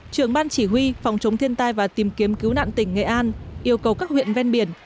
trưởng ban chỉ huy phòng chống thiên tai và tìm kiếm cứu nạn tỉnh nghệ an yêu cầu các huyện ven biển